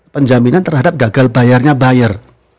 penjaminan terhadap gagal bayarnya bayar